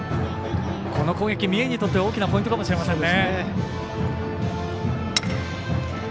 この攻撃、三重にとっては大きなポイントかもしれませんね。